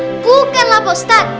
he eh bukanlah pak ustadz